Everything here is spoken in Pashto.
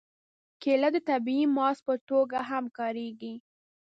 کېله د طبیعي ماسک په توګه هم کارېږي.